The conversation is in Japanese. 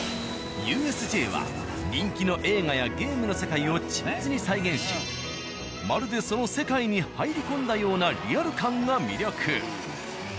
ＵＳＪは人気の映画やゲームの世界を緻密に再現しまるでその世界に入り込んだようなリアル感が魅力。